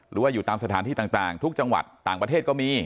หรือว่าอยู่ตามสถานที่ต่างทุกจังหวัดต่างประเทศก็มี